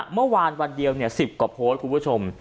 เมื่อวานวันเดียว๑๐กว่าโพสต์คุณผู้ชม